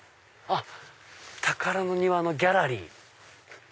あったからの庭のギャラリー！